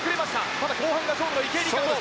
ただ後半が勝負の池江璃花子。